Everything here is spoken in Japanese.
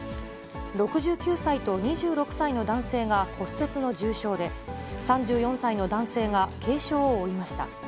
６９歳と２６歳の男性が骨折の重傷で、３４歳の男性が軽傷を負いました。